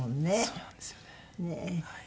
そうなんですよねはい。